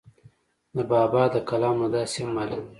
د بابا دَکلام نه داسې هم معلوميږي